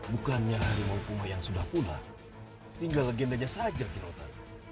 bukannya harimau kumayan sudah pula tinggal legendanya saja kiro tan